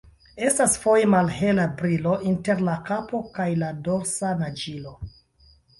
Estas foje malhela brilo inter la kapo kaj la dorsa naĝilo.